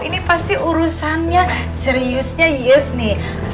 ini pasti urusannya seriusnya yes nih